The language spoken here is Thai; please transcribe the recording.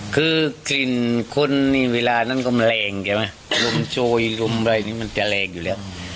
คือกลิ่นคนนี่เวลานั้นก็มันแรงใช่ไหมลมโชยลมอะไรนี่มันจะแรงอยู่แล้ว